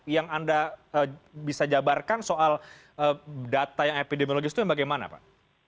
yang anda bisa jabarkan soal data yang epidemiologis itu yang bagaimana pak